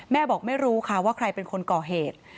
บอกไม่รู้ค่ะว่าใครเป็นคนก่อเหตุ